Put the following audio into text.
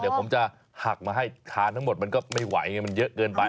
เดี๋ยวผมจะหักมาให้ทานทั้งหมดมันก็ไม่ไหวไงมันเยอะเกินไป